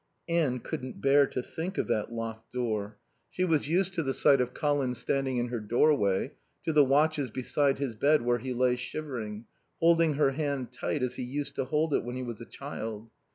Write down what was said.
Anne couldn't bear to think of that locked door. She was used to the sight of Colin standing in her doorway, to the watches beside his bed where he lay shivering, holding her hand tight as he used to hold it when he was a child.